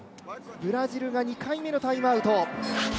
ブラジルが２回目のタイムアウト。